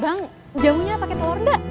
bang jamunya pake telur gak